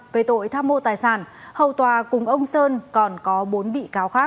về tội tham mô tài sản hầu tòa cùng ông sơn còn có bốn bị cáo khác